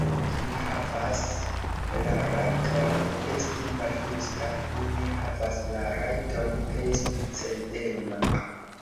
Mi havas la rajton esti maljusta; mi ne havas la rajton esti cedema.